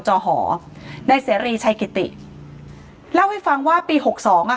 จอหอในเสรีชัยกิติเล่าให้ฟังว่าปีหกสองอ่ะ